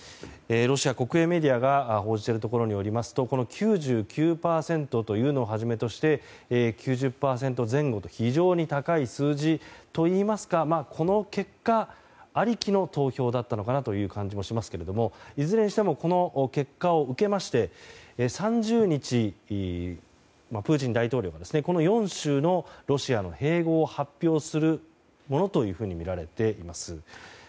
ロシア国営メディアが報じているところによりますとこの９９％というのをはじめとして９０％前後と非常に高い数字といいますかこの結果ありきの投票だったのかなという感じもしますけどいずれにしてもこの結果を受けまして３０日、プーチン大統領がこの４州のロシアへの併合を発表するものとみられています。